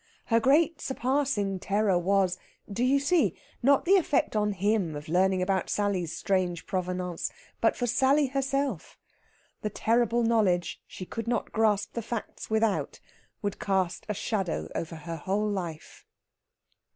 Her great surpassing terror was do you see? not the effect on him of learning about Sally's strange provenance, but for Sally herself. The terrible knowledge she could not grasp the facts without would cast a shadow over her whole life.